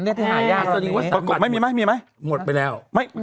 อัศรีวัตรศาลบัตรหมดไปแล้ว